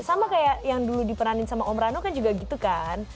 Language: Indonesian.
sama kayak yang dulu diperanin sama om rano kan juga gitu kan